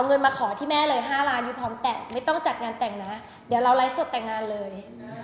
เอออเรารายสดแต่งงานเลย